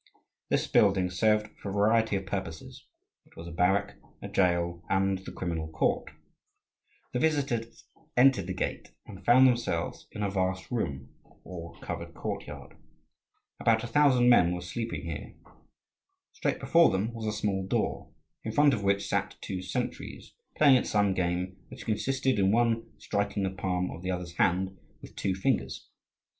This building served for a variety of purposes; it was a barrack, a jail, and the criminal court. The visitors entered the gate and found themselves in a vast room, or covered courtyard. About a thousand men were sleeping here. Straight before them was a small door, in front of which sat two sentries playing at some game which consisted in one striking the palm of the other's hand with two fingers.